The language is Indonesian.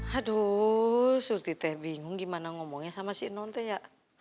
aduh suti teh bingung gimana ngomongnya sama si nante ya